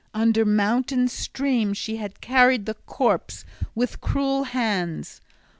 Under mountain stream she had carried the corpse with cruel hands.